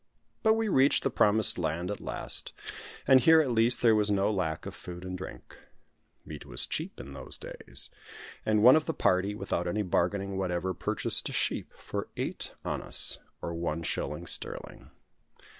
But we reached the promised land at last; and here at least there was no lack of food and drink. Meat was cheap in those days; and one of the party, without any bargaining whatever, purchased a sheep for eight annas, or one shilling sterling.